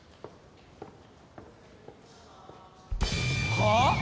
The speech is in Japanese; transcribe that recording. はあ！？